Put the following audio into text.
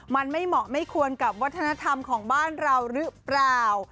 มันไม่เหมาะไม่ควรกับวัฒนธรรมของบ้านเราหรือเปล่า